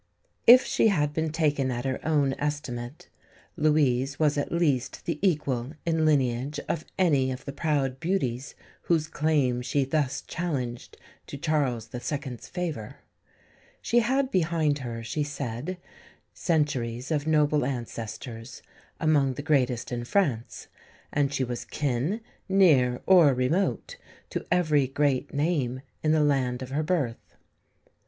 If she had been taken at her own estimate Louise was at least the equal in lineage of any of the proud beauties whose claim she thus challenged to Charles II.'s favour. She had behind her, she said, centuries of noble ancestors, among the greatest in France; and she was kin, near or remote, to every great name in the land of her birth.